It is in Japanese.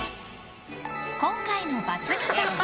今回のバツ２さんは。